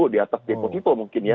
di atas deposito mungkin ya